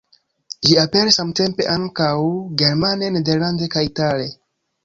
Ĝi aperis samtempe ankaŭ germane, nederlande kaj itale.